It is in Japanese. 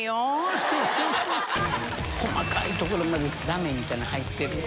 細かい所までラメみたいの入ってるの。